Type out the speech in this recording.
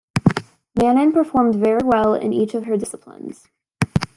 Manon performed very well in each of her disciplines.